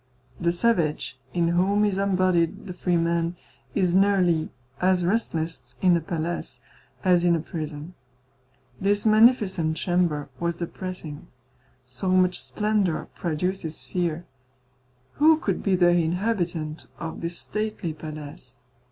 The savage, in whom is embodied the free man, is nearly as restless in a palace as in a prison. This magnificent chamber was depressing. So much splendour produces fear. Who could be the inhabitant of this stately palace?